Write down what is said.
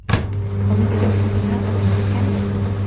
Are we going to meet up at the weekend?